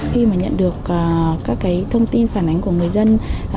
khi mà nhận được các cái thông tin phản ánh của người dân